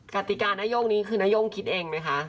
กติกานาย่งนี้คือนโย่งคิดเองไหมคะ